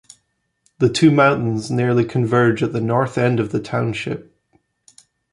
The two mountains nearly converge at the north end of the township.